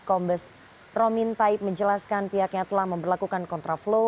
kombes romintaib menjelaskan pihaknya telah memperlakukan kontraflow